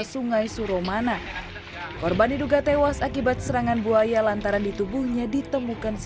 sungai suromana korban diduga tewas akibat serangan buaya lantaran di tubuhnya ditemukan